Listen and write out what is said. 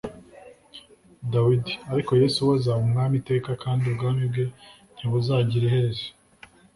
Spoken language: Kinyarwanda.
Dawidi Ariko Yesu we azaba umwami iteka kandi ubwami bwe ntibuzagira iherezo